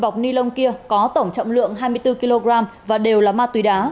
một bọc ni lông kia có tổng trọng lượng hai mươi bốn kg và đều là ma túy đá